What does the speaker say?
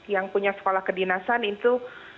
yang punya sekolah kedinasan itu